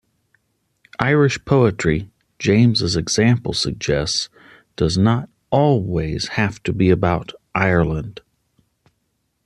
'Irish poetry', James's example suggests, does not always have to be about Ireland.